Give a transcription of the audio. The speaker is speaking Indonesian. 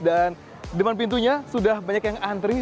dan di depan pintunya sudah banyak yang antri